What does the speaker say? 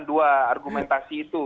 dua argumentasi itu